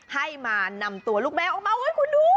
ให้มานำตัวลูกแมวออกมาคุณดู